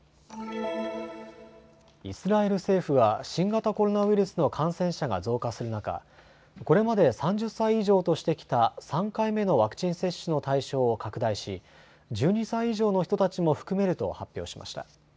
イスラエル政府は新型コロナウイルスの感染者が増加する中、これまで３０歳以上としてきた３回目のワクチン接種の対象を拡大し１２歳以上の人たちも含めると発表しました。